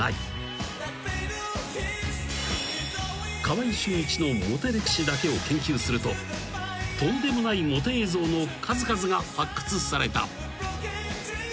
［川合俊一のモテ歴史だけを研究するととんでもないモテ映像の数々が発掘された］